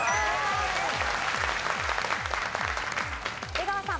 出川さん。